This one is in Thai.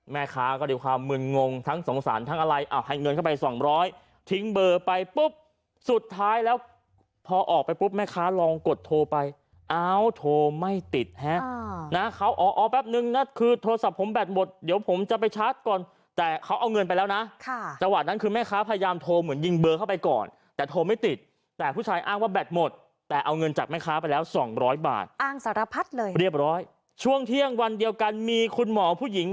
แม่คะก็ดีกว่ามืองงทั้งสงสารทั้งอะไรอ่ะให้เงินเข้าไปสองร้อยทิ้งเบอร์ไปปุ๊บสุดท้ายแล้วพอออกไปปุ๊บแม่คะลองกดโทรไปอ้าวโทรไม่ติดนะเขาอ๋อแป๊บนึงน่ะคือโทรศัพท์ผมแบตหมดเดี๋ยวผมจะไปชาร์จก่อนแต่เขาเอาเงินไปแล้วน่ะจังหวะนั้นคือแม่คะพยายามโทรเหมือนยิงเบอร์เข้าไปก่อนแต่โทรไม่ติ